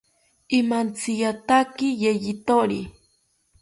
Imantsiataki yeyithori